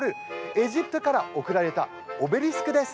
エジプトから贈られたオベリスクです。